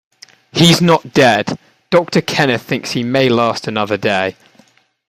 He’s not dead; Doctor Kenneth thinks he may last another day.